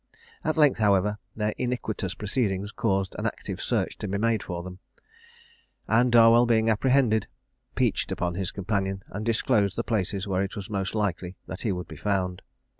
At length, however, their iniquitous proceedings caused an active search to be made for them; and Darwell being apprehended, "peached" upon his companion, and disclosed the places where it was most likely that he would be found.